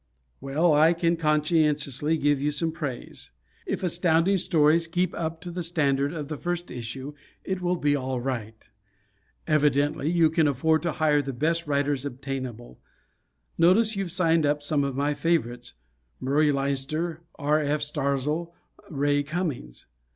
Well, I can conscientiously give you some praise. If Astounding Stories keep up to the standard of the first issue it will be all right. Evidently you can afford to hire the best writers obtainable. Notice you've signed up some of my favorites, Murray Leinster, R. F. Starzl, Ray Cummings.